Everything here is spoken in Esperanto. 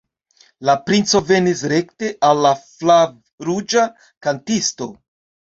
La princo venis rekte al la flavruĝa kantisto.